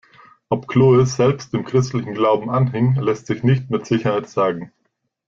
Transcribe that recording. Ob Chloë selbst dem christlichen Glauben anhing, lässt sich nicht mit Sicherheit sagen.